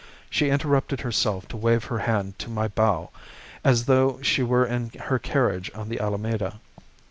She interrupted herself to wave her hand to my bow, as though she were in her carriage on the Alameda.